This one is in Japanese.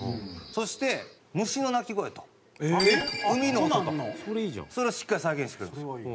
そして虫の鳴き声と海の音とそれをしっかり再現してくれるんですよ。